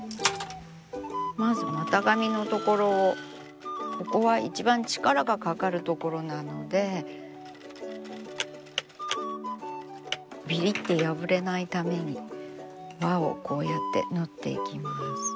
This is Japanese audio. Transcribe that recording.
まず股上の所をここは一番力がかかる所なのでビリッて破れないために輪をこうやって縫っていきます。